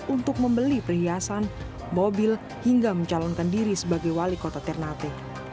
untuk membeli perhiasan mobil hingga mencalonkan diri sebagai wali kota ternate